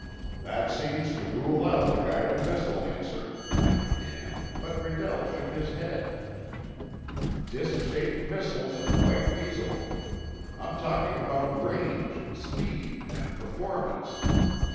"That seems to rule out the guided missile answer," I began. But Redell shook his head. "Disk shaped missiles are quite feasible. I'm talking about range, speed, and performance.